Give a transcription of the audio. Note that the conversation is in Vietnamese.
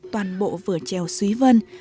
toàn bộ vừa trèo suy vân